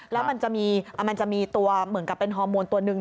แล้วมันจะมีตัวเหมือนกับเป็นฮอร์โมนตัวหนึ่ง